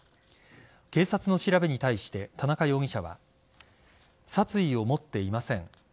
警察の調べに対して田中容疑者は殺意を持っていません。